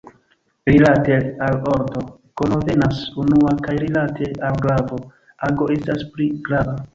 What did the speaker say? Rilate al ordo, kono venas unua, kaj rilate al gravo, ago estas pli grava.